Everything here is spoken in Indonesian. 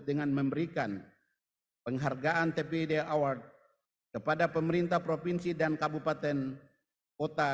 dengan memberikan penghargaan tpd award kepada pemerintah provinsi dan kabupaten kota